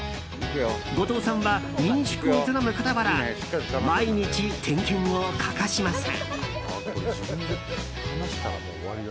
後藤さんは、民宿を営む傍ら毎日点検を欠かしません。